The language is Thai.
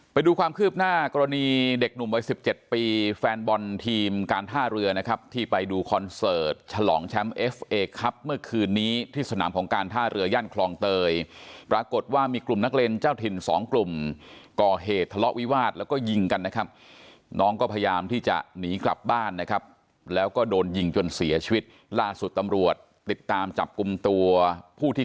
ไปดูความคืบหน้ากรณีเด็กหนุ่มวัยสิบเจ็ดปีแฟนบอลทีมการท่าเรือนะครับที่ไปดูคอนเสิร์ตฉลองแชมป์เอฟเอกครับเมื่อคืนนี้ที่สนามของการท่าเรือย่านคลองเตยปรากฏว่ามีกลุ่มนักเรียนเจ้าถิ่นสองกลุ่มก่อเหตุทะเลาะวิวาสแล้วก็ยิงกันนะครับน้องก็พยายามที่จะหนีกลับบ้านนะครับแล้วก็โดนยิงจนเสียชีวิตล่าสุดตำรวจติดตามจับกลุ่มตัวผู้ที่